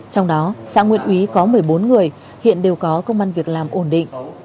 trong đó xã nguyễn úy có một mươi bốn người hiện đều có công an việc làm ổn định